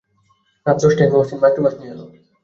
রাত দশটায় মহসিন মাইক্রোবাস নিয়ে এল।